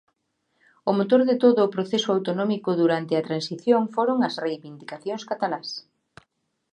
O motor de todo o proceso autonómico durante a Transición foron as reivindicacións catalás.